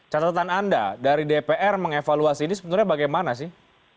catatan anda dari dpr mengevaluasi ini sebenarnya bagaimana sih